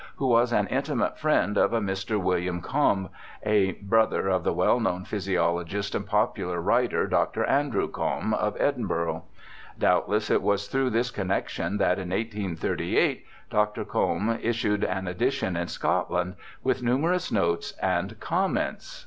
who was an intimate friend of a Mr. Wm. Combe, a brother of the well known physiologist and popular writer, Dr. Andrew Combe of Edinburgh. Doubtless it was through this connexion that in 1838 Dr. Combe issued an edition in Scotland, with numerous notes and comments.